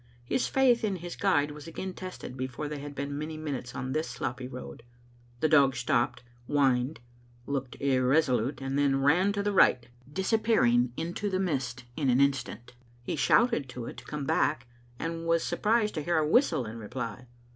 His faith in his guide was again tested before they had been many minutes on this sloppy road. The dog stopped, whined, looked irresolute, and then ran to the right, disappear ing into the mist in an instant. He shouted to it to come back, and was surprised to hear a whistle in reply.